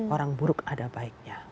orang buruk ada baiknya